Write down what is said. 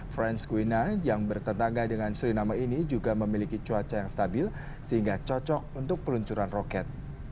franz quina yang bertetangga dengan sri nama ini juga memiliki cuaca yang stabil sehingga cocok untuk peluncuran roket